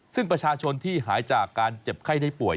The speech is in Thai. ซึ่งประชาชนที่หายจากการเจ็บไข้ได้ป่วย